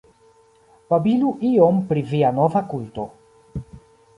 Babilu iom pri via nova kulto.